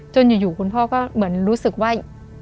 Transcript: อยู่คุณพ่อก็เหมือนรู้สึกว่า